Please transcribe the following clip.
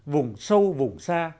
vùng sâu vùng xa